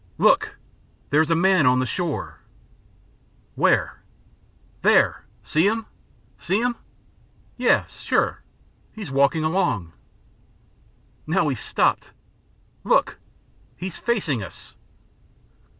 "Look! There's a man on the shore!" "Where?" "There! See 'im? See 'im?" "Yes, sure! He's walking along." "Now he's stopped. Look! He's facing us!"